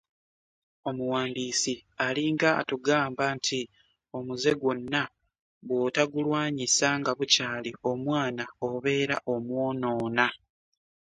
Omuwandiisi alinga atugamba nti omuze gwonna bw’otagulwanyisa nga bukyali omwana obeera omwonoona.